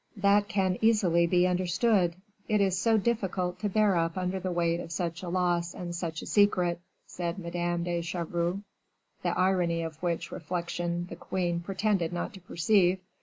"That can easily be understood; it is so difficult to bear up under the weight of such a loss and such a secret," said Madame de Chevreuse, the irony of which reflection the queen pretended not to perceive.